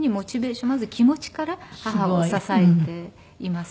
まず気持ちから母を支えています。